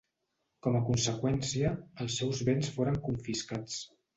Com a conseqüència, els seus béns foren confiscats.